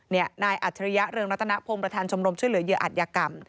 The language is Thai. นายอัจฉริยะเรืองรัตนพงศ์ประธานชมรมช่วยเหลือเหยื่ออัตยกรรม